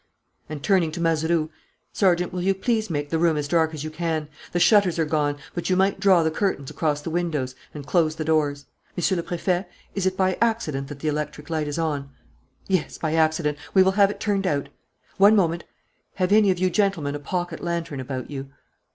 And, turning to Mazeroux: "Sergeant, will you please make the room as dark as you can? The shutters are gone; but you might draw the curtains across the windows and close the doors. Monsieur le Préfet, is it by accident that the electric light is on?" "Yes, by accident. We will have it turned out." "One moment. Have any of you gentlemen a pocket lantern about you?